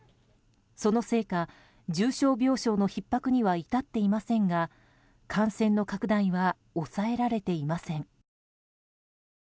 そのせいか、重症病床のひっ迫には至っていませんが感染の拡大は抑えられていません。